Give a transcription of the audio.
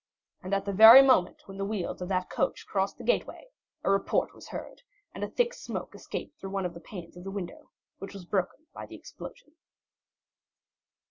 And at the very moment when the wheels of that coach crossed the gateway a report was heard, and a thick smoke escaped through one of the panes of the window, which was broken by the explosion.